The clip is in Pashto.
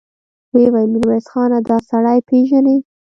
ويې ويل: ميرويس خانه! دآسړی پېژنې؟